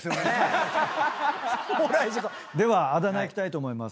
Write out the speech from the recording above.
ではあだ名いきたいと思います。